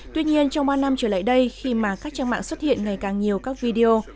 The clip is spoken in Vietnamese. tuy nhiên trong ba năm trở lại đây khi mà các trang mạng xuất hiện ngày càng nhiều các video